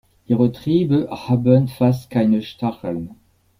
Ihre Triebe haben fast keine Stacheln.